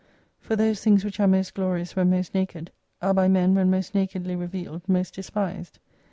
For those things which are most glorious when most naked, are by men when most nakedly revealed, most despised.